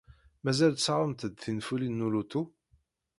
Mazal tessaɣemt-d tinfulin n uluṭu?